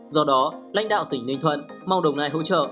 do đó lãnh đạo tỉnh ninh thuận mong đồng nai hỗ trợ